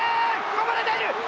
こぼれている！